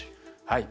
はい。